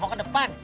mau ke depan